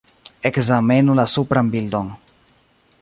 Ekzamenu la supran bildon.